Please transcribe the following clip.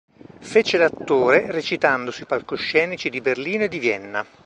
Fece l'attore recitando sui palcoscenici di Berlino e di Vienna.